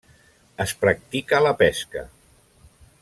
Es practica la pesca.